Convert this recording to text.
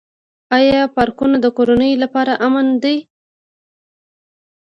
آیا پارکونه د کورنیو لپاره امن دي؟